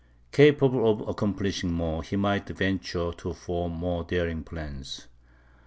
Capable of accomplishing more, he might venture to form more daring plans.